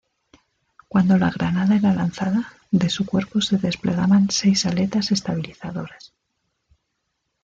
Cuando la granada era lanzada, de su cuerpo se desplegaban seis aletas estabilizadoras.